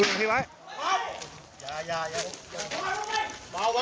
แล้วตำรวจนำกำลังบุกไปจับตัวพระ